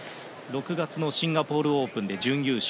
６月のシンガポールオープンで準決勝。